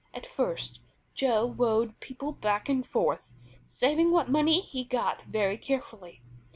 At first Joe rowed people back and forth, saving what money he got very carefully.